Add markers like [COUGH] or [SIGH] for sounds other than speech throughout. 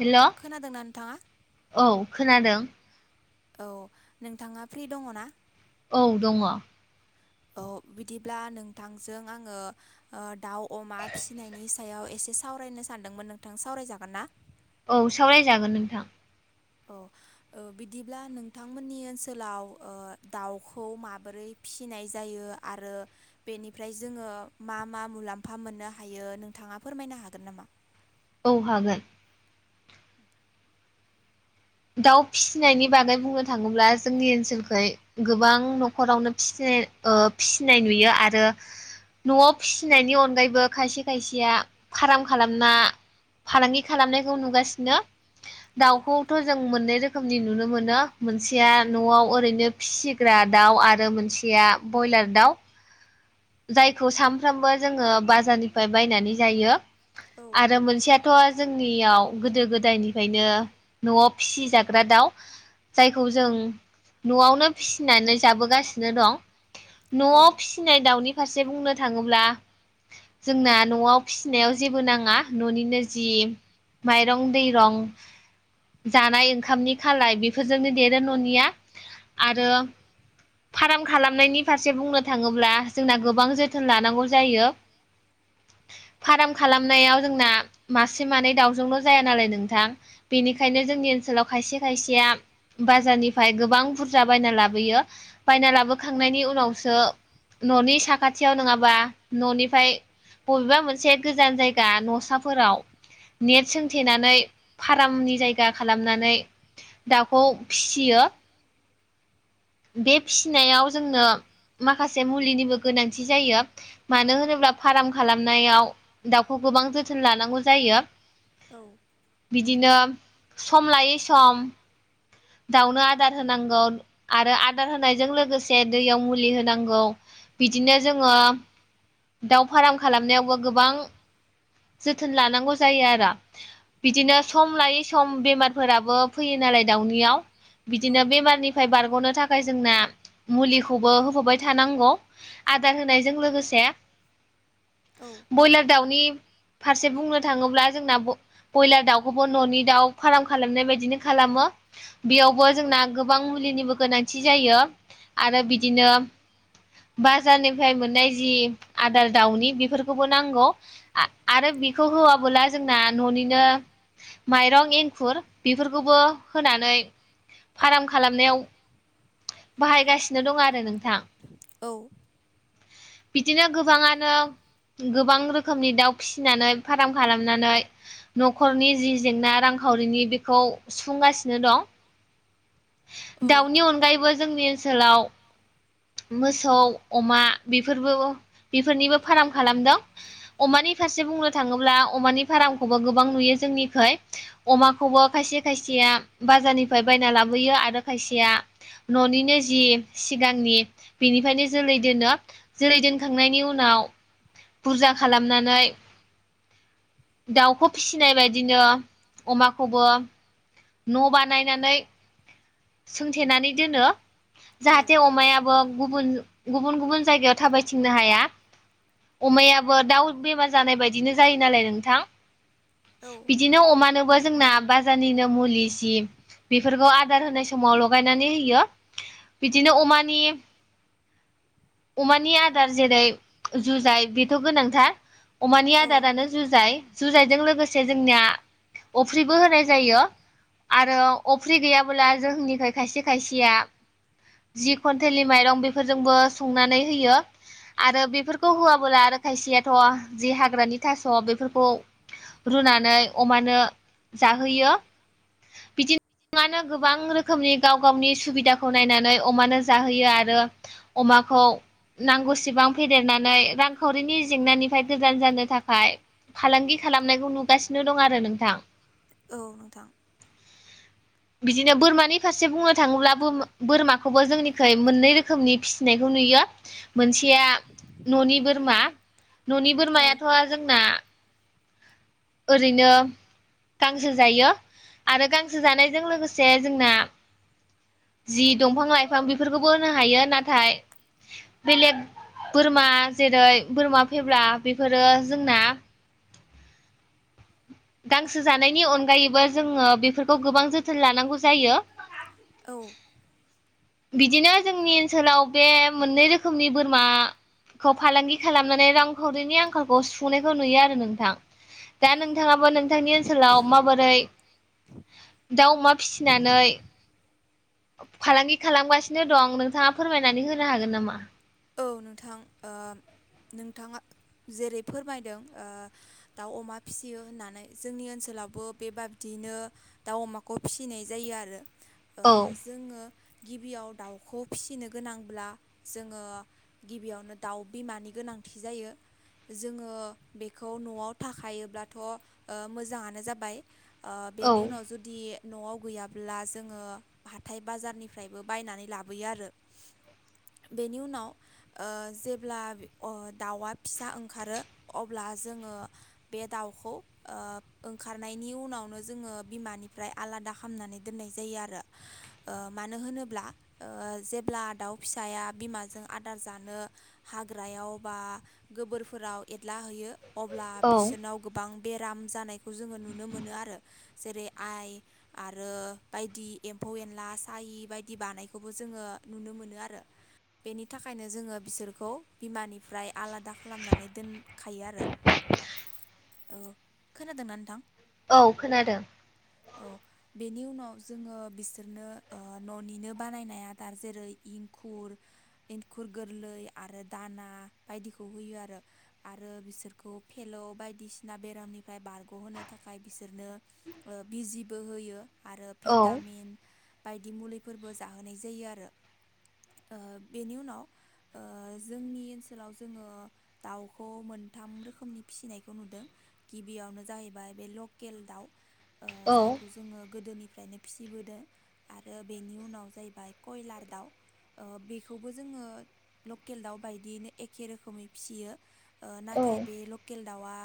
हेल' खोनादोंना नोंथाङा? औ खोनादों। औ नोंथाङा फ्रि दङ ना? औ दङ। औ बिदिब्ला नोंथांजों आङो दाउ अमा फिसिनायनि सायाव एसे एसे सावरायनो सानदोंमोन नोंथां सावरायजागोन ना? औ सावरायजागोन नोंथां। औ बिदिब्ला नोंथांमोननि ओनसोलाव दाउखौ माबोरै फिनाय जायो आरो बेनिफ्राय जोङो मा मा मुलाम्फा मोननो हायो नों थाङा फोरमायनो हागोन नामा? औ हागोन। दाउ फिसिनायनि बागै बुंनो थाङोब्ला जोंनि ओनसोलखै गोबां न'खरावनो फिसि ओ फिसिनाय नुयो आरो न'आव फिसिनायनि अनगायैबो खायसे खायसेया फार्म खालामना फालांगि खालामनायखौ नुगासिनो औ दाउखौ मोननै रोखोमनि नुनो मोनो मोनसेया न'आव ओरैनो फिसिग्रा दाउ आरो मोनसेया ब्रयलार दाउ। जायखौ सानफ्रोमबो जोङो बाजारनिफ्राय बायनानै जायो औ आरो मोनसेया थ' जोंनियाव गोदो गोदायनिफ्रायनो न'आव फिसिजाग्रा दाउ जायखौ जों न'आवनो फिसिनानै जाबोगासिनो दं। औ न'आव फिसिनाय दाउनि फारसे बुंनो थाङोब्ला जोंना न'आव फिसिनायाव जेबो नाङा न'निनो जि माइरं दैरं जानाय ओंखामनि खालाय बेफोरजोंनो देरो न'निया आरो फाराम खालामनायनि फारसे बुंनो थाङोब्ला जोंना गोबां जोथोन लानांगौ जायो। [INAUDIBLE] फाराम खालामनायाव जोंना मासे मानै दाउजोंल' जाया नालाय नोंथां बेनिखायनो जोंनि ओनसोलाव खायसे खायसेया बाजारनिफ्राय गोबां बुरजा बायना लाबोयो बायना लाबोखांनायनि उनावसो न'नि साखाथियाव नङाबा न'निफ्राय बबेबा मोनसे गोजान जायगा न'साफोराव नेट सोंथेनानै फारामनि जायगा खालामनानै दाउखौ फिसियो। ओ बे फिसिनायाव जोंनो माखासे मुलिनिबो गोनांथि जायो मानो होनोब्ला फाराम खालामनायाव दावउखौ गोबां जोथोन लानांगौ जायो। औ। बिदिनो सम लायै सम दाउनो आदार होनांगौ आरो आदार होनायजों लोगोसे दैयाव मुलि होनांगौ। बिदिनो जोङो दाउ फाराम खालामनायावबो गोबां जोथोन लानांगौ जायो आरो बिदिनो सम लायै सम बेमारफोराबो फैयो नालाय दाउनियाव बिदिनो बेमारनिफ्राय बारग'नो थाखाय जोंना मुलिखौबो होफाबाय थानांगौ आदार होनायजों लोगोसे। औ ब्रयलार दाउनि फारसे बुंनो थाङोब्ला जोंना ब्रयलार दाउखौबो न'नि दाउ फार्म खालामनाय बायदिनो खालामो। बेयावबो जोंना गोबां मुलिनिबो गोनांथि जायो। आरो बिदिनो बाजारनिफ्राय मोननाय जि आदार दाउनि बेफोरखौबो नांगौ आ रो बेखौ होआबोला जोंना न'निनो माइरं एंखुर बेफोरखौबो होनानै फाराम खालामनायाव बाहायगासिनो दं आरो नोंथां। औ। बिदिनो गोबाङानो गोबां रोखोमनि दाउ फिसिनानै फाराम खालामनानै न'खरनि जि जेंना रांखावरिनि बेखौ सुंफुं बोगासिनो दं। औ दाउनि अनगायैबो जोंनि ओनसोलाव। मोसौ अमा बेफोरबो बेफोरनिबो फार्म खालामदों। अमानि फारसे बुंनो थाङोब्ला अमानि फार्मखौबो गोबां नुयो जोंनिखै। अमाखौबो खायसे खायसे आ बाजारनिफ्राय बायना ला बोयो। आरो खायसेया न'निनो जि सिगांनि बेनिफ्रायनो जोलै दोनो। जोलै दोनखांनायनि उनाव बुरजा खालामनानै। दाउखौ फिसिनाय बायदिनो अमाखौबो। न' बानायनानै सोंथेनानै दोनो। औ जाहाथे अमायाबो गुबुन गुबुन गुबुन जायगायाव थाबायथिंनो हाया। अमायाबो दाउ बेमार जानाय बायदिनो जायो नालाय नोंथां। औ बिदिनो अमानोबो जोंना बाजारनिनो मुलि जि बेफोरखौ आदार होनाय समाव लगायनानै होयो बिदिनो अमानि अमानि आदार जेरै। जुजाय बेथ' गोनांथार अमानि औ आदारानो जुजाय। जुजाइजों लोगोसे जोंनिया अफ्रिबो होनाय जायो। आरो अफ्रि गैयाब्ला जोंनिखै खायसे खायसेया। जि कुन्टेलनि माइरं बेफोरजोंबो संनानै होयो आरो बेफोरखौ। खौ होआबोला आरो खायसेयाथ' जि हाग्रानि थास' बेफोरखौ। रुनानै अमानो जाहोयो बिदिनो गोबांआनो गोबां रोखोमनि गाव गावनि सुबिदाखौ नायनानै अमानो जाहोयो आरो अमा खौ नांगौ सेबां फेदेरना नानै रांखावरिनि जेंनानिफ्राय गोजान जानो थाखाय फालांगि खालामनायखौ नुगासिनो दं आरो नोंथां। औ नोंथां बिदिनो बोरमानि फारसे बुंनो थाङोब्लाबो बोरमाखौबो जोंनिख मोननै रोखोमनि फिसिनायखौ नु यो मोनसेया न'नि बोरमा न'नि औ बोरमायाथ' जोंना [UNINTELLIGIBLE] ओरैनो गांसो जायो। आरो गांसो जानायजों लोगोसे जोंना। जि दंफां लाइफां बेफोरखौबो होनो हायो नाथाय बेलेग बोर जेरै बोरमा फेब्ला बेफोरो जोंना गांसो जानायनि अनगायैबो जोङो बेफोरखौ गोबां जोथोन लानांगौ जायो। औ बिदिनो जोंनि ओनसोलाव बे मोननै रोखोमनि बोरमा खौ फालांगि खालामनानै रांखावरिनि आंखालखौ सुफुंनायखौ नुयो आरो नोंथां। दा नोंथाङाबो नोंथांनि ओनसोलाव माबोरै? [UNINTELLIGIBLE] दाउ अमा फिसिनानै फालांगि खालामगासिनो दं नोंथाङा फोरमायनानै होनो हागोन नामा? औ नोंथां ओ- नोंथाङा जेरै फोरमायदों ओ- दाउ अमा फिसियो होननानै जोंनि ओनसोल लावबो बेबायदियैनो दाउ अमाखौ फिसिनाय जायो आरो। औ ओ-जोङो गिबियाव दाउखौ फिसिनो गोनांब्ला जोङो। गिबियावनो दाउ बिमानि गोनांथि जायो। जोङो बेखौ न'आव थाखायोब्लाथ' ओ-मोजाङानो जाबाय। औ ओ-बेनि उनाव जुदि न'आव गैयाब्ला जोङो हाथाय बाजारनिफ्रायबो बायनानै लाबोयो आरो बेनि उनाव ओ जेब्ला ओ दाउआ फिसा ओंखारो अब्ला जोङो बे बे दाउखौ ओ ओंखारनायनि उनावनो जोङो बिमानिफ्राय आलादा खालामामनानै दोननाय जा जायो आरो ओ मानो होनोब्ला ओ जेब्ला दाउ फिसाया बिमाजों आदार जानो हाग्रायाव बा गोबोरफोराव एदला हैयो अब्ला औ बिसोरनाव गोबां बेराम जानायखौ जोंङो नुनो मोनो आरो। जेरै आइ आरो बायदि एम्फौ एनला साहि बायदि बानायखौबो जोङो नुनो मोनो आरो बेनि थाखायनो जोङो बिसोरखौ बिमानिफ्राय आलादा खालामनानै दोनखायो आरो ओ खोनादोंना नोंथां औ खोनादों औ बेनि उनाव जोङो बिसोरनो ओ न'निनो बानायनाया दा जेरै इंखुर एंखुर गोरलै आरो दाना बायदिखौ होयो आरो आरो बिसोरखौ फेल' बायदिसिना बेरामनिफ्राय बारग'होनो थाखाय बिसोरनो बिजिबो होयो। आरो औ भिटामिन बायदि मुलिफोरबो जाहोनाय जायो आरो। बेनि उनाव ओ जोंनि ओनसोलाव जोङो दाउखौ मोनथाम रोखोमनि फिसिनायखौ नुदों गिबियावनो जाहैबाय बे लकेल दाउ ओ औ जायखौ जोङो गोदोनि फायनो फिसिबोदों आरो बेनि उनाव जाहैबाय कयलार दाउ ओ बे खौबो जोङो लकेल दाउ बायदियैनो एखे रोखोमै फियो। ओ औ नाथाय बे लकेल दाउआ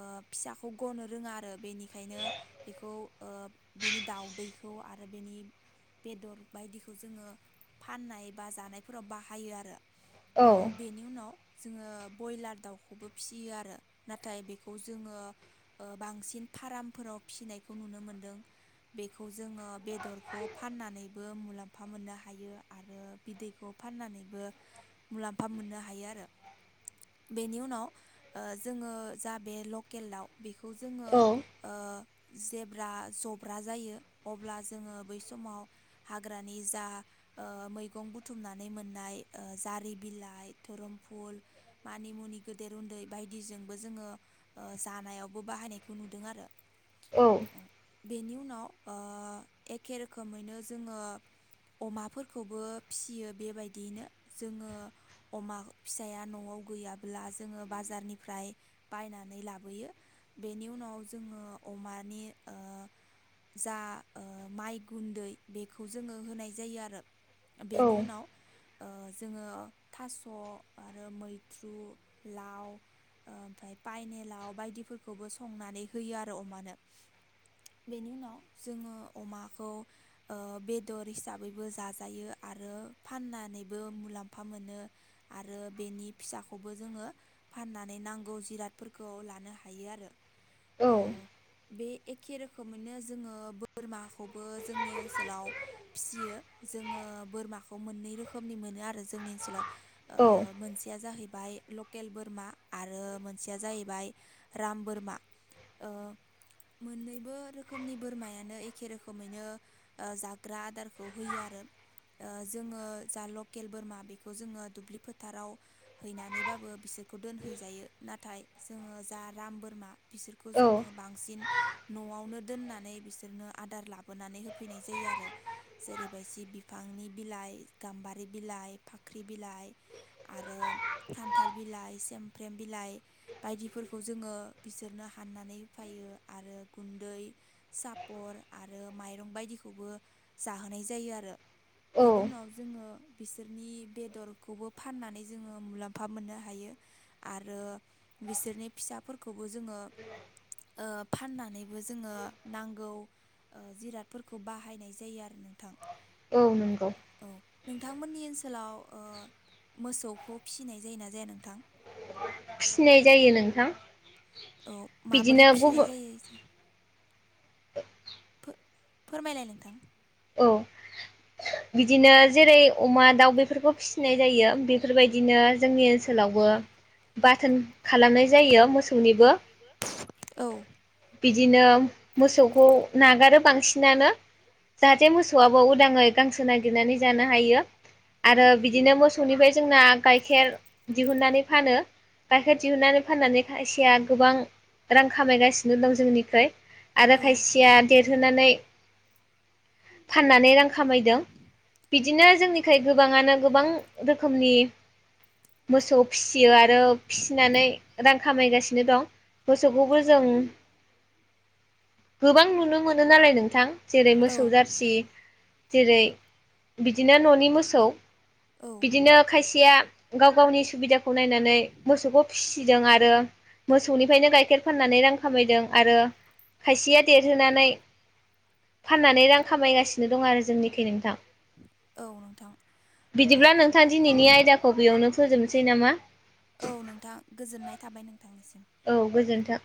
ओ फिसाखौ गनो रोङा आरो बेनिखायनो बेखौ ओ बेनि दाउदैखौ आ बिनि बेदर बायदिखौ जोङो फाननाय बा जानाय फोराव बाहायो आरो औ ओ बेनि उनाव जोङो ब्रयलार दाउखौबो फिसियो आरो नाथाय बेखौ जोङो ओ बांसिन फार्मफोराव फिसिनायखौ नुनो मोनदों। बेखौ जोङो बेदरखौ फाननानैबो मुलाम्फा मोननो हायो आरो बिदैखौ फाननानैबो मुलाम्फा मोननो हायो आरो बेनि उनाव जोङो जा बे लकेल दाउ बेखौ जोङो औ ओ जेब्ला जब्रा जायो अब्ला जोङो बै समाव हाग्रानि जा ओ मैगं बुथुमना नानै‌ मोननाय ओ जारि बिलाय धरमफुल मानि मुनि गेदेर उन्दै बायदिजों बेखौबो जोङो जानायावबो बाहायनायखौ नुदों आरो। औ बेनि उनाव ओ एखे रोखोमैनो जोंङो अमाफोरखौबो फियो बेबायदियैनो जोङो अमा फिसाया न'आव गैयाब्ला जोङो बाजारनिफ्राय [UNINTELLIGIBLE] बायनानै लाबो बेनि उनाव जोङो अमानि ओ जा माइ गुन्दै बेखौ जोंङो होनाय जायो आरो औ बेनि उनाव ओ जोङो थास' आरो मैथ्रु लाव ओमफ्राय पायनेेलाव बायदिफोरखौबो संनानै होयो आरो अमानो बेनि उनाव जोङो अमाखौ ओ बेदर हिसाबैबो जाजायो आरो आरो फाननानैबो मुलाम्फा मोनो आरो बेनि फिसाखौबो जोङो फाननानै नांगौ जिरादफोरखौ लानो हायो आरो बे एखे रोखोमैनो जोंङो बोरमाखौबो जोंनि ओनसोलाव फियो जोङो बोरमाखौ मोननै रोखोमनि मोनो आरो जोंनि ओनसोलाव ओ मोनसेया जाहै बाय लकेल बोरमा आरो मोनसेया जाहैबाय राम बोरमा ओ मोननैबो रोखोमनि बोरमायानो एखे रोखोमैनो जाग्रा आदारखौ होयो आरो ओ जोङो जा लकेल बोरमा बेखौ जोङो दुब्लि फोथाराव हैनानैबाबो बिसोरखौ दोन हैजायो नाथाय जोङो जा राम बोरमा बे बिसोरखौ औ जोङो बांसिन न'आवनो दोननानै बिसोरनो आदार लाबोनानै होफैनाय जायो आरो जेरैबायदि बिफांनि बिलाइ, गाम्बारि बिलाइ, फाख्रि बिलाइ आरो खानथाल बिलाइ सुमफ्रेम बिलाइ बायदिफोरखौ जोङो बिसोरनो हाननानै होफायो आरो गुन्दै सापर आरो माइरं बायदिखौबो जाहोनाय जायो आरो बेनि उनाव जोङो बिसोरनि बेदरखौबो फाननानै जोङो मुलाम्फा मोननो हायो आरो बिसोरनि फिसाफोरखौबो जोङो ओ फाननानैबो जोङो नांगौ जिरादफोरखौ बाहायनाय जायो आरो नोंथां औ नंगौ। औ नोंथांमोननि ओनसोलाव ओ मोसौखौ फिसिनाय जायोना जाया नोंथां? फिसिनाय जायो नोंथां। औ बिदिनो माबोरै फिसिनाय गुबुन जायो इसे। फोरमायलाय नोंथां। औ बिदिनो जेरै अमा दाउ बेफोरखौ फिसिनाय जायो बेफोरबायदिनो जोंनि ओनसोलाव बो बाथोन खालामनाय जायो मोसौनिबो औ बिदिनो मोसौखौ नागारो बांसिनानो जाहाथे मोसौवाबो उदाङै गांसो नागिरनानै जानो हायो‌। आरो बिदिनो मोसौनिफ्राय जोंना गाइखेर दिहुननानै फानो गाइखेर दिहुननानै फाननानै खायसेया गोबां रां खामायगासि नो दं जोंनिफ्राय आरो दा औ खायसेया देरहोनानै फाननानै रां खामायदों बिदिनो जोंनिखाय गोबाङानो गोबां रोखोमनि मोसौ फिसियो आ रो फिसिनानै रां खामायगासिनो दं मोसौखौबो जों गोबां नुनो मोनो नालाय नोंथां जेरै औ मोसौ जारसि जेरै बिदिनो न'नि मोसौ औ बिदिनो खायसेया गाव गावनि सुबिदाखौ नायनानै मोसौखौ फिसिदों आरो मोसौनिफ्रायनो गाइखेर फाननानै रां खामायदों आरो खायसेया देरहोनानै फाननानै रां खामायगासिनो दं आरो जोंनिखै नोंथां। औ नोंथां बिदिब्ला नोंथां दिनैनि आयदाखौ बेयावनो फोजोबनोसै नामा। औ नोंथां गोजोननाय थाबाय नोंथांनिसिम। औ गोजोन्थों।